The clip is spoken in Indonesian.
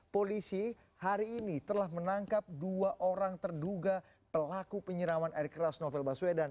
polisi hari ini telah menangkap dua orang terduga pelaku penyiraman air keras novel baswedan